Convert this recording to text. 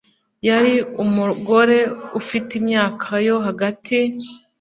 Yari umugore ufite imyaka yo hagati